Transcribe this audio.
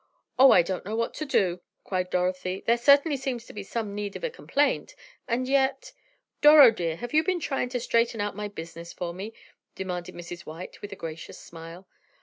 "Oh, I don't know what to do!" cried Dorothy. "There certainly seems to be some need of a complaint, and yet——" "Doro, dear, have you been trying to straighten out my business for me?" demanded Mrs. White, with a gracious smile.